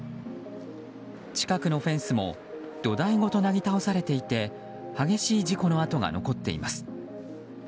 近くのフェンスも土台ごとなぎ倒されていて激しい事故の跡が残っています。